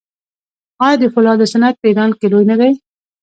آیا د فولادو صنعت په ایران کې لوی نه دی؟